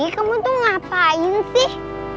kamu tuh ngapain sih